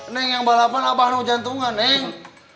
neng yang balapan abah jantungan neng